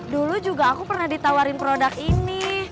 dulu juga aku pernah ditawarin produk ini